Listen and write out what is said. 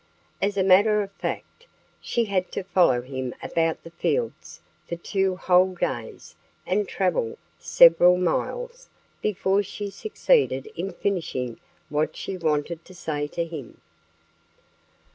As a matter of fact, she had to follow him about the fields for two whole days and travel several miles before she succeeded in finishing what she wanted to say to him.